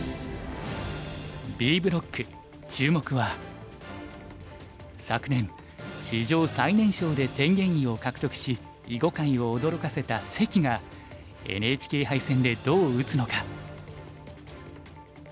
Ｂブロック注目は昨年史上最年少で天元位を獲得し囲碁界を驚かせた関がＮＨＫ杯戦でどう打つのか。